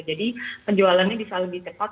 jadi penjualannya bisa lebih cepat